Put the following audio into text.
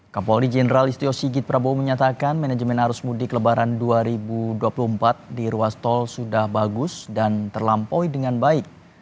kapolri jenderal istio sigit prabowo menyatakan manajemen arus mudik lebaran dua ribu dua puluh empat di ruas tol sudah bagus dan terlampaui dengan baik